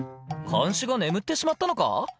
看守が眠ってしまったのか？